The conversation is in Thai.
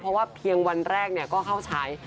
เพราะว่าเพียงวันแรกก็เข้าใช้